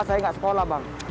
saya nggak sekolah bang